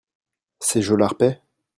C'est Jolarpet ?